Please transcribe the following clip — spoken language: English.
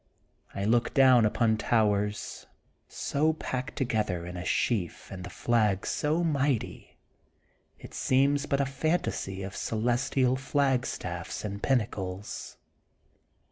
. I look down upon towers so packed together in a sheaf and the flags so mighty, it seems but a fantasy of celes tial flagstaffs and pinnacles.